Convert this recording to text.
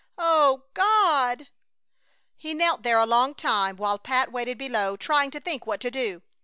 O God!" He knelt there a long time, while Pat waited below, trying to think what to do.